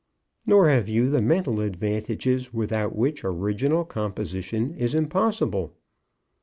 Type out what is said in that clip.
"Nor have you the mental advantages without which original composition is impossible."